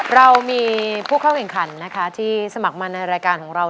เรามีผู้เข้าแข่งขันนะคะที่สมัครมาในรายการของเรา